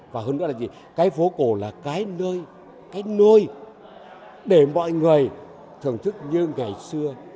và hơn nữa là gì cái phố cổ là cái nơi cái nuôi để mọi người thưởng thức như ngày xưa